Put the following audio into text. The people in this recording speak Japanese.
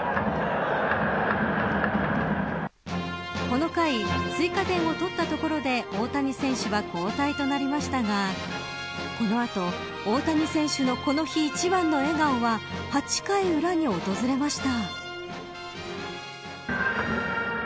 この回、追加点を取ったところで大谷選手は交代となりましたがこの後、大谷選手のこの日一番の笑顔は８回裏に訪れました。